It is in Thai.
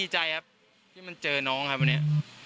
ใจครับที่มันเจอน้องครับวันนี้